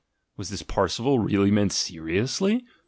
Was this Parsifal really meant seriously?